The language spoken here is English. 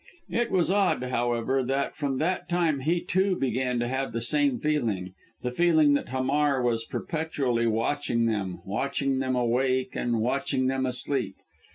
It was odd, however, that from that time he, too, began to have the same feeling the feeling that Hamar was perpetually watching them watching them awake and watching them asleep!